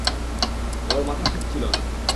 ওর মাথা ঠিক ছিল না।